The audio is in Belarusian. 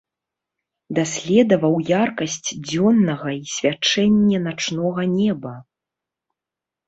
Даследаваў яркасць дзённага і свячэнне начнога неба.